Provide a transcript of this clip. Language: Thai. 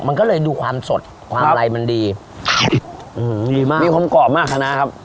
มันก็เลยดูความสดความอะไรมันดีอืมดีมากมีความกรอบมากชนะครับ